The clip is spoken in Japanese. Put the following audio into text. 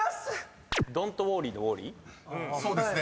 ［そうですね。